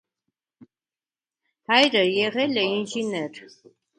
Հայրը եղել է ինժեներ։